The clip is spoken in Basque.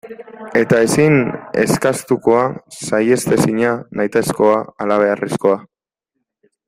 Eta ezin eskastuzkoa, saihetsezina, nahitaezkoa, halabeharrezkoa.